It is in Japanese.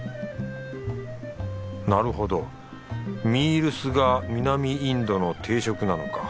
なるほどミールスが南インドの定食なのか。